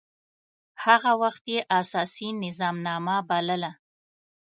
هغه وخت يي اساسي نظامنامه بلله.